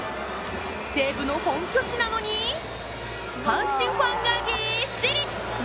西武の本拠地なのに、阪神ファンがぎっしり！